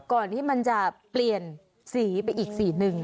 ก่อนที่มันจะเปลี่ยนสีไปอีกสีหนึ่ง